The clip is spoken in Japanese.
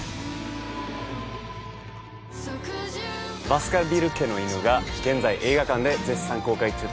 『バスカヴィル家の犬』が現在映画館で絶賛公開中です。